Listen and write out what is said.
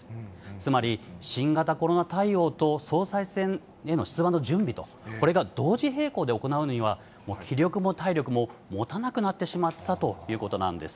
つまり新型コロナ対応と、総裁選への出馬の準備と、これが同時並行で行うには、もう気力も体力ももたなくなってしまったということなんです。